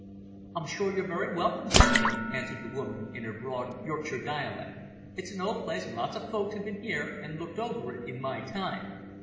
"I'm sure you're very welcome, gentlemen," answered the woman, in her broad, Yorkshire dialect. "It's an old place and lots o' folk have been here and looked over it in my time."